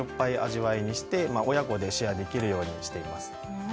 味わいにして親子でシェアできるようにしています